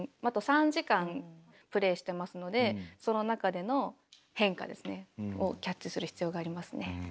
あと３時間プレーしてますのでその中での変化ですねをキャッチする必要がありますね。